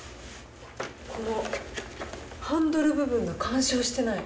このハンドル部分が干渉してない。